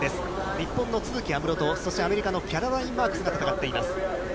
日本の都筑有夢路と、そしてアメリカのキャロライン・マークスが戦っています。